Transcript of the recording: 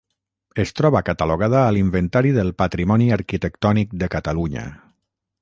Es troba catalogada a l'Inventari del Patrimoni Arquitectònic de Catalunya.